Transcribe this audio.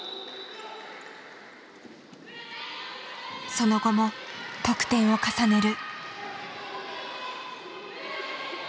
その後も得点を重ねる。